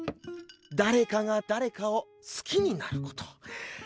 誰かが誰かを好きになること。